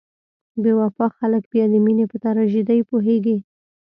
بې وفا خلک بیا د مینې په تراژیدۍ پوهیږي.